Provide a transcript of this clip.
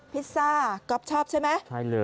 พิซซ่าเกิกชอบใช่ไหมใช่เลย